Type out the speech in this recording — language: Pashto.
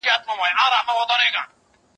زه اوږده وخت د سبا لپاره د هنرونو تمرين کوم،